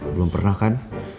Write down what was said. belum pernah kan